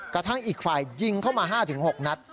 กระทั่งอีกฝ่ายยิงเข้ามา๕๖นัด